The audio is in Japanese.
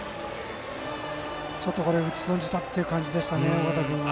これは打ち損じたという感じでしたね、尾形君は。